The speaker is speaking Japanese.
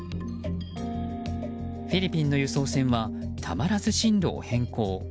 フィリピンの輸送船はたまらず進路を変更。